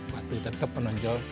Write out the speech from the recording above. batu tetap menonjol